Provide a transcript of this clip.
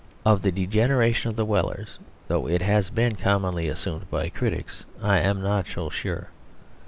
Of the degeneration of the Wellers, though it has been commonly assumed by critics, I am not so sure.